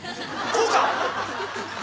こうか！